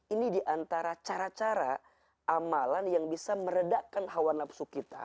ini diantara cara cara amalan yang bisa meredakan hawa nafsu kita